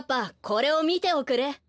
これをみておくれ。